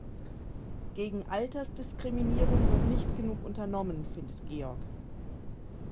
Gegen Altersdiskriminierung wird nicht genug unternommen, findet Georg.